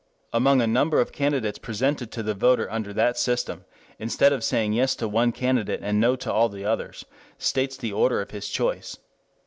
Among a number of candidates presented the voter under that system, instead of saying yes to one candidate and no to all the others, states the order of his choice.